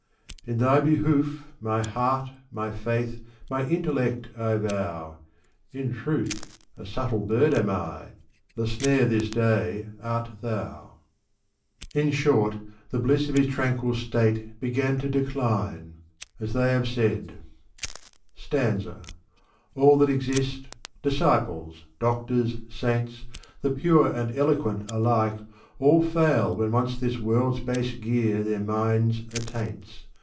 In thy behoof, my heart, my feith, my intellect, I vow ; In truth, a subtle bird am I ; the snare this day art thou. Digitized by OK) t Google I ^^^•4 ■^1 Gulistan; or. Rose Garden. 2a5 In shorty the bliss of his tranquil state began to decline ; as they have said. Stanza, '^ All that exist — disciples, doctors, saints, The pure and eloquent alike, all fail When once this world's base gear their minds attaints.